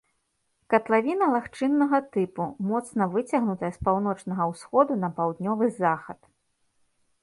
Катлавіна лагчыннага тыпу, моцна выцягнутая з паўночнага ўсходу на паўднёвы захад.